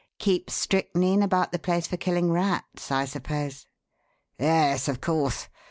Keep strychnine about the place for killing rats, I suppose?" "Yes, of course.